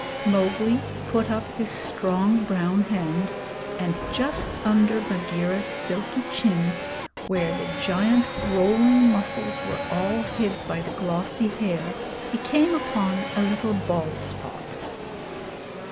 Mowgli put up his strong brown hand, and just under Bagheera's silky chin, where the giant rolling muscles were all hid by the glossy hair, he came upon a little bald spot.